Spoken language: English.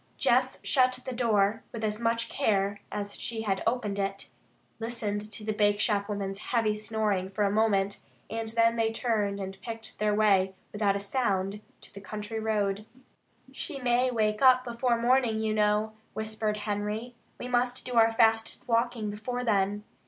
Jess shut the door with as much care as she had opened it, listened to the bakeshop woman's heavy snoring for a moment, and then they turned and picked their way without a sound to the country road. "She may wake up before morning, you know," whispered Henry. "We must do our fastest walking before then.